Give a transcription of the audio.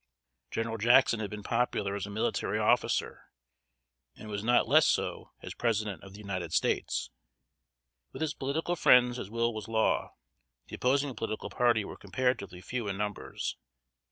General Jackson had been popular as a military officer, and was not less so as President of the United States. With his political friends his will was law. The opposing political party were comparatively few in numbers.